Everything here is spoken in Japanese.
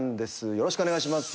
よろしくお願いします。